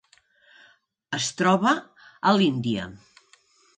Es troba a l'Índia: